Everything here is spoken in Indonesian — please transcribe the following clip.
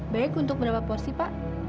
baik untuk berapa porsi pak